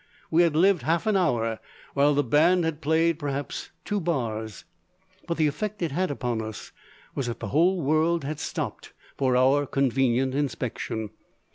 We had lived half an hour while the band had played, perhaps, two bars. But the effect it had upon us was that the whole world had stopped for our convenient inspection.